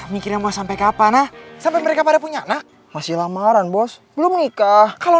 mikirnya mau sampai kapan nah sampai mereka pada punya nak masih lamaran bos belum menikah kalau